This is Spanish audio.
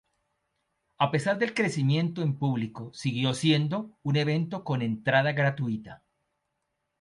A pesar del crecimiento en público, siguió siendo un evento con entrada gratuita.